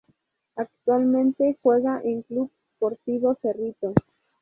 Actualmente juega en Club Sportivo Cerrito.